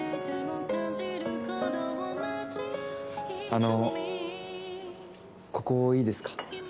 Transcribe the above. あの、ここいいですか？